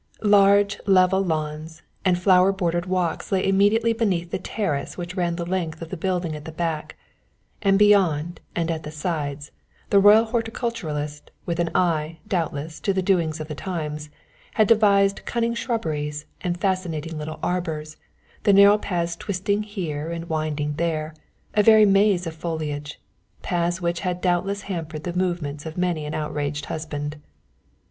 Large, level lawns, and flower bordered walks lay immediately beneath the terrace which ran the length of the building at the back, and beyond and at the sides, the royal horticulturist, with an eye, doubtless, to the doings of the times, had devised cunning shrubberies and fascinating little arbours, the narrow paths twisting here and winding there, a very maze of foliage, paths which had doubtless hampered the movements of many an outraged husband.